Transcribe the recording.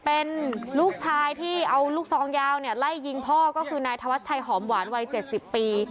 เป็นลูกชายที่เอาลูกซองยาวไล่ยิงพ่อนายทวัดใช่หอมหวานวัย๗๐ปี